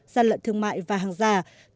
gian lận thương mại và hàng già